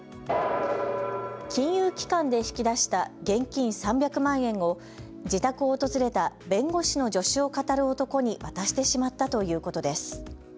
金融機関で引き出した現金３００万円を、自宅を訪れた弁護士の助手をかたる男に渡してしまったということです。